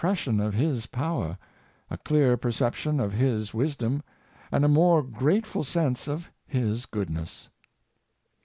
453 sion of His power, a clearer perception of His wisdom, and a more greatful sense of His goodness.